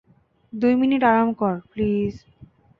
দুই মিনিট আরাম কর, প্লীজ।